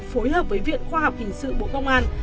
phối hợp với viện khoa học hình sự bộ công an